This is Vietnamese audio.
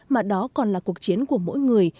mà đó còn là cuộc chiến của mỗi người